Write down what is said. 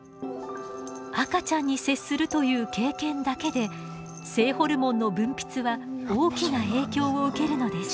赤ちゃんに接するという経験だけで性ホルモンの分泌は大きな影響を受けるのです。